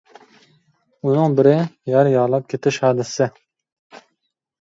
ئۇنىڭ بىرى، يار يالاپ كېتىش ھادىسىسى.